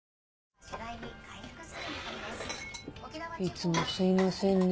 いつもすいませんね